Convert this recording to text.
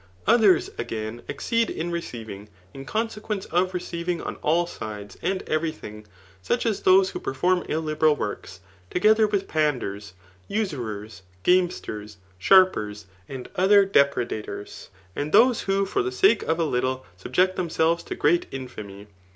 Others, again, exceed m re ceiving, in consequoure of receiving on all sides and every thing ; such as those who perform illiberal works, together with panders, usurers, gamesters, sharpen, and other depredators, and those who for the sake of a little^ subject themselves to great infamy.